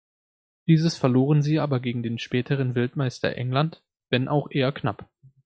Dieses verloren sie aber gegen den späteren Weltmeister England, wenn auch eher knapp.